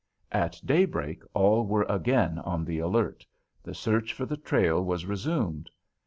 At daybreak all were again on the alert: the search for the trail was resumed.